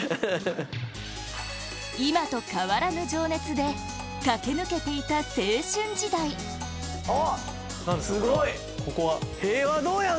今と変わらぬ情熱で駆け抜けていた青春時代おっすごい。